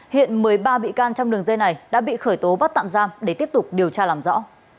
hiện một mươi ba bị can trong đường dây này đã bị khởi tố bắt tạm giam để tiếp tục điều tra làm rõ